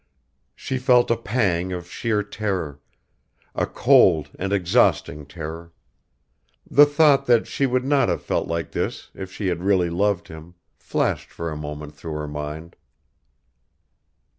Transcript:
She felt a pang of sheer terror, a cold and exhausting terror; the thought that she would not have felt like this if she had really loved him flashed for a moment through her mind.